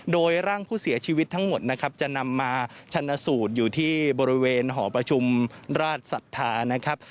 โดยร่างผู้เสียชีวิตทั้งหมดนะครับจะนำมาชันสูตรอยู่ที่บริเวณหอประชุมราชศรัทธานะครับ